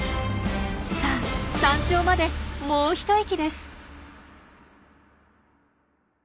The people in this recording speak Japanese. さあ山頂までもう一息です。